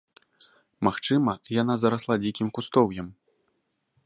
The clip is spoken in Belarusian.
Магчыма, яна зарасла дзікім кустоўем.